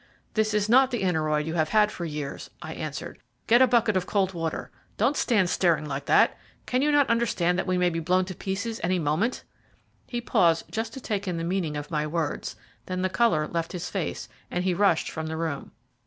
"This is not the aneroid you have had for years," I answered. "Get a bucket of cold water don't stand staring like that. Cannot you understand that we may be blown to pieces any moment?" He paused just to take in the meaning of my words; then the colour left his face, and he rushed from the room.